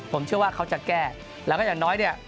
ผมเชื่อว่าเขาจะแก้แล้วก็อย่างน้อยเนี่ย